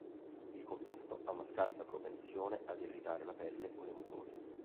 Il composto ha una scarsa propensione ad irritare la pelle o le mucose.